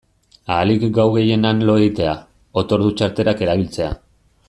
Ahalik gau gehien han lo egitea, otordu-txartelak erabiltzea...